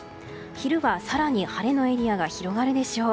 昼は更に晴れのエリアが広がるでしょう。